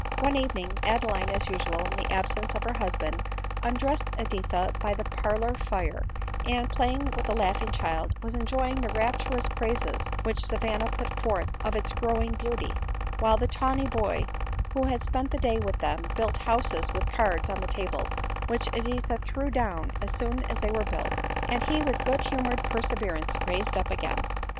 One evening Adeline as usual, in the absence of her husband, undressed Editha by the parlor fire, and, play ing with the laughing child, was enjoying the rapturous praises which Savanna put forth of its growing beauty ; while the tawny boy, who had spent the day with them, built houses with cards on the table, which Editha threw down as soon as they were built, and he with good hu mored perseverance raised up again.